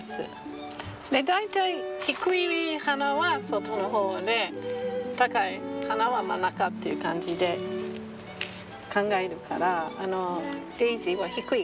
大体低い花は外のほうで高い花は真ん中という感じで考えるからデイジーは低いからこの辺で。